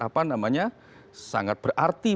apa namanya sangat berarti